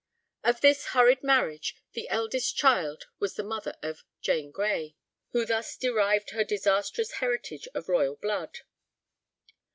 Of this hurried marriage the eldest child was the mother of Jane Grey, who thus derived her disastrous heritage of royal blood.